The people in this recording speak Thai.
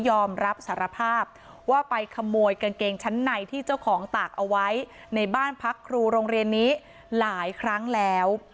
ยอมรับสารภาพว่าไปขโมยกางเกงชั้นในที่เจ้าของตากเอาไว้ในบ้านพักครูโรงเรียนนี้หลายครั้งแล้ว